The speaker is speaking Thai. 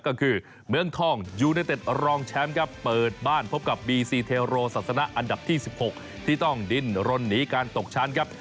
ก็คือเมืองทองยูเนเต็ดรองแชมป์ครับเปิดบ้านพบกับบีซีเทโรศาสนาอันดับที่๑๖ที่ต้องดินรนหนีการตกชั้นครับ